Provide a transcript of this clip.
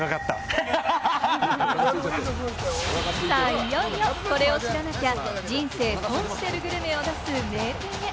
いよいよ、これを知らなきゃ人生損してるグルメを出す名店へ。